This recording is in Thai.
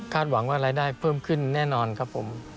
หวังว่ารายได้เพิ่มขึ้นแน่นอนครับผม